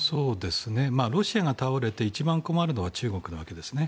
ロシアが倒れて一番困るのは中国なわけですね。